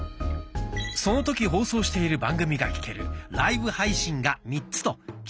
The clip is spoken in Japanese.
その時放送している番組が聴ける「ライブ配信」が３つと「聴き逃し配信」。